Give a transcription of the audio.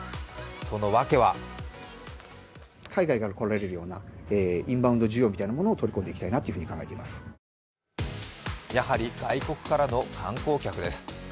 その訳はやはり外国からの観光客です。